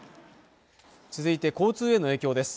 続いて交通への影響です